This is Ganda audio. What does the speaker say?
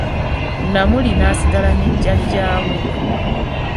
Namuli n'asigala ne jjaja we .